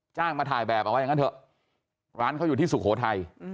มาถ่ายแบบเอาไว้อย่างนั้นเถอะร้านเขาอยู่ที่สุโขทัย